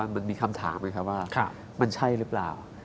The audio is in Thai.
มันมีคำถามไหมครับว่ามันใช่หรือเปล่า